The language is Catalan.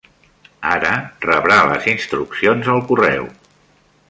Ara rebrà les instruccions al correu.